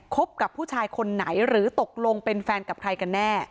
คบกับผู้ชายคนไหนหรือตกลงเป็นแฟนกับใครกันแน่